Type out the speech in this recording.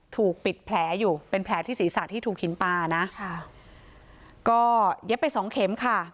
ถูกปิดแผลอยู่เป็นแผลที่ศีรษะที่ถูกหินปลานะค่ะก็เย็บไปสองเข็มค่ะ